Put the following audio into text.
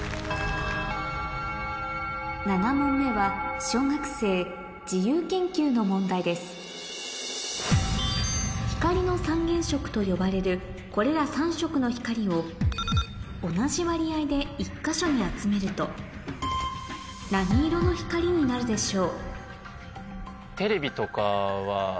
７問目は小学生の問題ですと呼ばれるこれら３色の光を同じ割合で１か所に集めると何色の光になるでしょう？